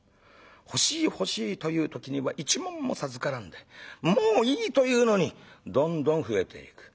欲しい欲しいという時には一文も授からんでもういいというのにどんどん増えていく。